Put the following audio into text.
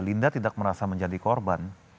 linda tidak merasa menjadi korban